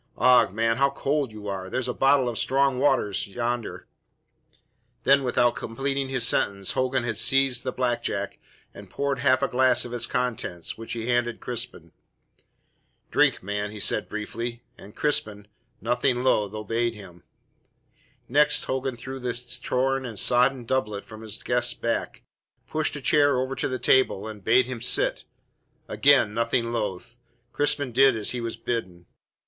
Ough, man, how cold you are! There's a bottle of strong waters yonder " Then, without completing his sentence, Hogan had seized the black jack and poured half a glass of its contents, which he handed Crispin. "Drink, man," he said briefly, and Crispin, nothing loath, obeyed him. Next Hogan drew the torn and sodden doublet from his guest's back, pushed a chair over to the table, and bade him sit. Again, nothing loath, Crispin did as he was bidden.